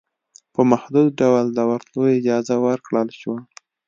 په محدود ډول دورتلو اجازه ورکړل شوه